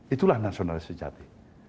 itulah nasionalis sejati